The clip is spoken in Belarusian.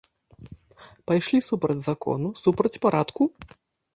Пайшлі супроць закону, супроць парадку?